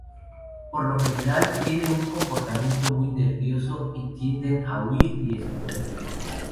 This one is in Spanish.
Por lo general, tienen un comportamiento muy nervioso, y tienden a huir y esconderse.